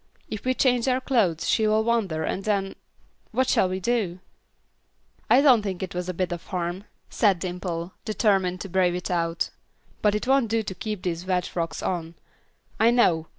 If we change our clothes she will wonder and then What shall we do?" "I don't think it was a bit of harm," said Dimple, determined to brave it out, "but it won't do to keep these wet frocks on. I know.